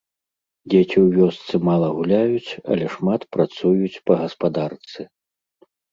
Дзеці ў вёсцы мала гуляюць, але шмат працуюць па гаспадарцы.